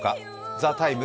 「ＴＨＥＴＩＭＥ，」